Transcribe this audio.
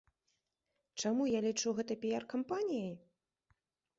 Чаму я лічу гэта піяр-кампаніяй?